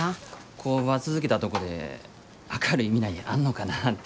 工場続けたとこで明るい未来あんのかなぁて。